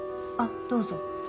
あっどうぞ。